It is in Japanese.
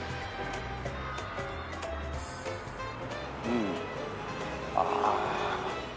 うん。ああ。